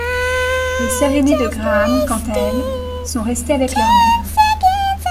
Les sœurs aînées de Graham, quant à elles, sont restées avec leur mère.